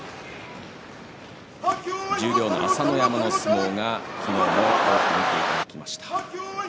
十両の朝乃山の相撲が昨日も多く見ていただきました。